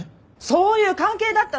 そういう関係だったのよ！